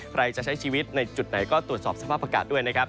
ใครจะใช้ชีวิตในจุดไหนก็ตรวจสอบสภาพอากาศด้วยนะครับ